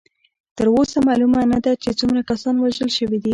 تر اوسه معلومه نه ده چې څومره کسان وژل شوي دي.